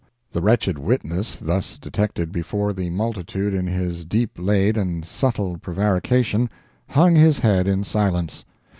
The wretched witness, thus detected before the multitude in his deep laid and subtle prevarication, hung his head in silence.